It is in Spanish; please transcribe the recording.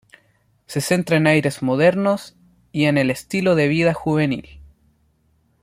Se centra en aires modernos y en el estilo de vida juvenil.